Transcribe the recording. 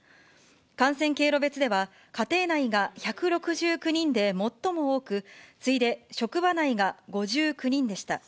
感染経路別では、家庭内が１６９人で最も多く、次いで職場内が５９人でした。